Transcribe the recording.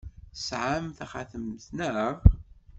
Tesɛam taxatemt, naɣ?